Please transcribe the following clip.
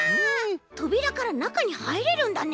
とびらからなかにはいれるんだね。